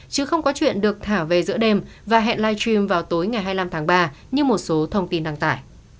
chứ không có chuyện được thả về giữa đêm và hẹn live stream vào tối ngày hai mươi năm tháng ba như một số thông tin đăng tải